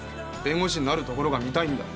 弁護士になるところが見たいんだ。